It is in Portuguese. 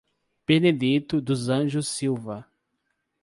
Benedito dos Anjos Silva